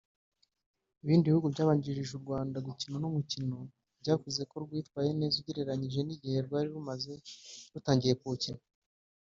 Ibindi bihugu byabanjirije u Rwanda gukina uno mukino byavuzeko rwitwaye neza ugereranyije n’igihe rwari rumaze rutangiye kuwukina